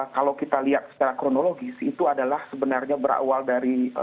kalau kita lihat secara kronologis itu adalah sebenarnya berawal dari